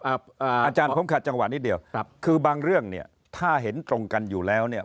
อาจารย์ผมขาดจังหวะนิดเดียวครับคือบางเรื่องเนี่ยถ้าเห็นตรงกันอยู่แล้วเนี่ย